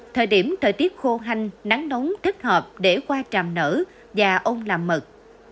thời điểm thời tiết khô hanh nắng nóng thích hợp để qua tràm nở và ong làm mật